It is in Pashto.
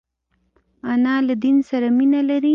انا له دین سره مینه لري